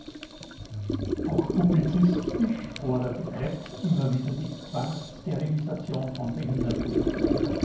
Auch publizistisch forderte Rett immer wieder die Zwangssterilisation von Behinderten.